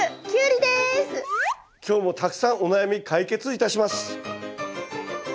今日もたくさんお悩み解決いたします。